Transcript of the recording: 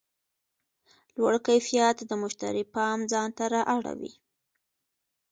لوړ کیفیت د مشتری پام ځان ته رااړوي.